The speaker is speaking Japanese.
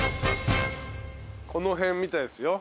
この辺みたいですよ。